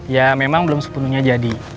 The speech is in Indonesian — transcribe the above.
ya memang belum sepenuhnya jadi